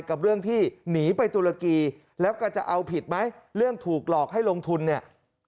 กับเรื่องที่หนีไปตุรกีแล้วก็จะเอาผิดไหมเรื่องถูกหลอกให้ลงทุนเนี่ย